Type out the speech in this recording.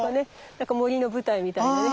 なんか森の舞台みたいでね。